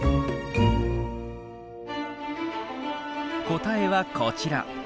答えはこちら。